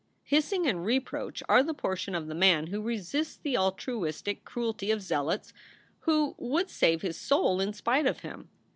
Hissing and reproach are the portion of the man who resists the altruistic cruelty of zealots who would save his soul in spite of him.